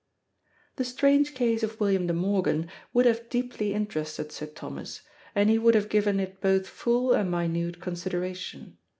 The strange case of William De Morgan would have deeply interested Sir Thomas, and he would have given it both full and minute consideration.